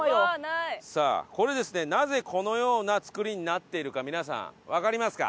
さあこれですねなぜこのような造りになっているか皆さんわかりますか？